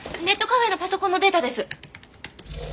ネットカフェのパソコンのデータです。